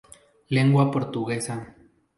Lengua portuguesa.